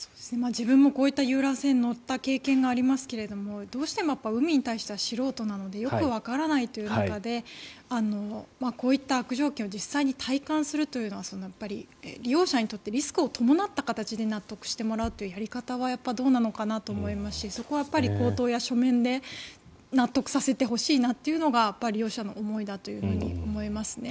自分もこういった遊覧船に乗った経験がありますけどどうしても海に対しては素人なのでよくわからないという中でこういった悪条件を実際に体感するというのは利用者にとってリスクを伴った形で納得してもらうというやり方はどうなのかなと思いますしそこは口頭や書面で納得させてほしいなというのが利用者の思いだと思いますね。